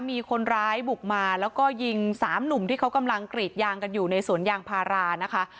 มีคนร้ายบุกมาแล้วก็ยิงสามหนุ่มที่เขากำลังกรีดยางกันอยู่ในสวนยางพารานะคะ